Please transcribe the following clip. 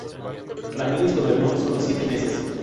Ramírez gobernó sólo siete meses.